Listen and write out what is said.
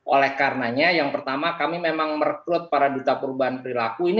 oleh karenanya yang pertama kami memang merekrut para duta perubahan perilaku ini